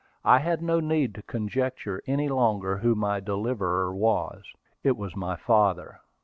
I had no need to conjecture any longer who my deliverer was. It was my father.